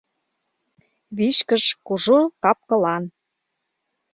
Вичкыж кужу кап-кылан.